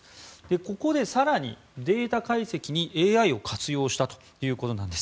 ここで更に、データ解析にＡＩを活用したということなんです。